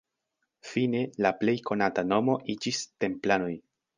Fine, la plej konata nomo iĝis "templanoj".